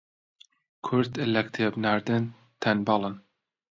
کورد لە کتێب ناردن تەنبەڵن